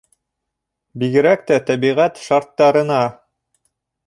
Бигерәк тә тәбиғәт шарттарына.